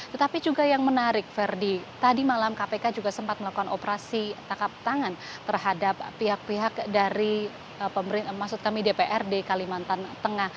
tetapi juga yang menarik verdi tadi malam kpk juga sempat melakukan operasi tangkap tangan terhadap pihak pihak dari dpr di kalimantan tengah